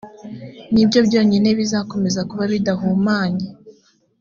ni byo byonyine bizakomeza kuba bidahumanye